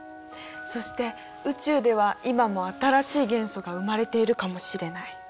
そして宇宙では今も新しい元素が生まれているかもしれない。